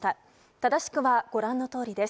正しくはご覧のとおりです。